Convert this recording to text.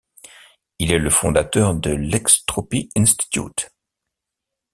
Il est le fondateur de l'Extropy Institute.